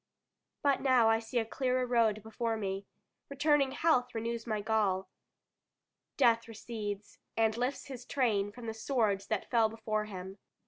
But now I see a clearer road before me. Returning health renews my gall. Death recedes, and lifts his train from the swords that fell before him.